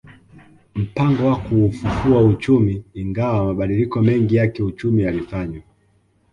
Mpango wa kuufufua uchumi Ingawa mabadiliko mengi ya kiuchumi yalifanywa